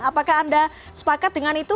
apakah anda sepakat dengan itu